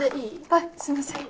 はいすいません。